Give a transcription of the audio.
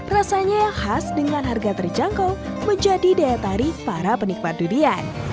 rasanya yang khas dengan harga terjangkau menjadi daya tarik para penikmat durian